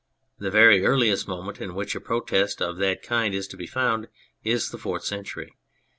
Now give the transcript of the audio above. The very earliest moment in which a protest of that kind is to be found is the Fourth Century.